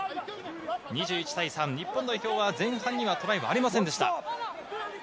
２１対３、日本代表は前半にはトライはありませんでした。